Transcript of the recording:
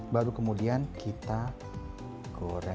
baru kemudian kita goreng